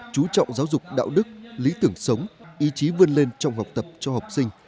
chú trọng giáo dục đạo đức lý tưởng sống ý chí vươn lên trong học tập cho học sinh